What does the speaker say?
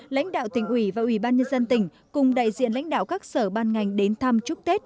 lãnh đạo tỉnh ủy và ủy ban nhân dân tỉnh cùng đại diện lãnh đạo các sở ban ngành đến thăm chúc tết